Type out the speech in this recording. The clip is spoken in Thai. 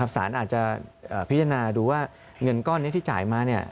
สารอาจจะพิจารณาดูว่าเงินก้อนนี้ที่จ่ายมา